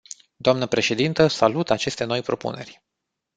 Doamnă președintă, salut aceste noi propuneri.